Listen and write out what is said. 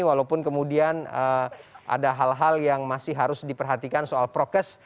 walaupun kemudian ada hal hal yang masih harus diperhatikan soal prokes